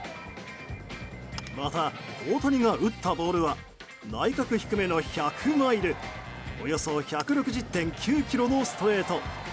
また、大谷が打ったボールは内角低めの１００マイルおよそ１６０．９キロのストレート。